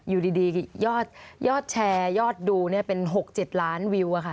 อยู่ดียอดแชร์ยอดดูเป็น๖๗ล้านวิวค่ะ